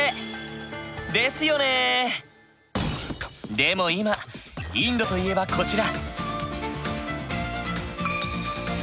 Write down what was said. でも今インドと言えばこちら！